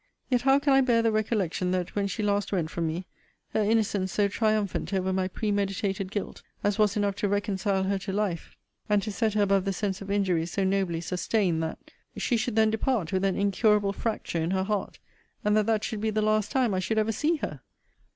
Yet how can I bear the recollection, that, when she last went from me (her innocence so triumphant over my premeditated guilt, as was enough to reconcile her to life, and to set her above the sense of injuries so nobly sustained, that) she should then depart with an incurable fracture in her heart; and that that should be the last time I should ever see her!